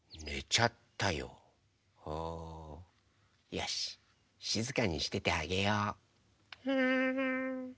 よししずかにしててあげよう。